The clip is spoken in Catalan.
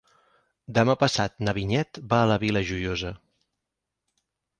Demà passat na Vinyet va a la Vila Joiosa.